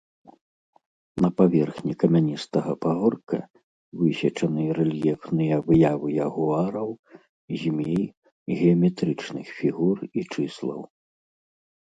На паверхні камяністага пагорка высечаны рэльефныя выявы ягуараў, змей, геаметрычных фігур і чыслаў.